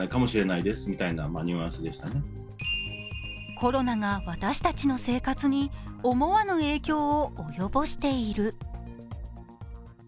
コロナが私たちの生活に思わぬ影響を及ぼしている。